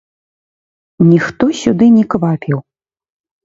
Ніхто сюды не квапіў.